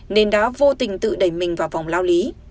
nên đã vô tình tự đẩy mình vào vòng lao lý